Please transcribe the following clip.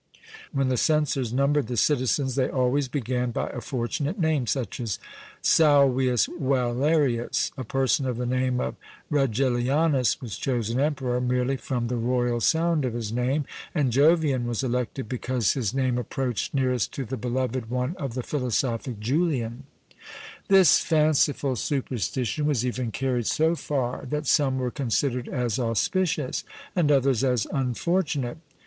When the censors numbered the citizens, they always began by a fortunate name, such as Salvius Valereus. A person of the name of Regillianus was chosen emperor, merely from the royal sound of his name, and Jovian was elected because his name approached nearest to the beloved one of the philosophic Julian. This fanciful superstition was even carried so far that some were considered as auspicious, and others as unfortunate.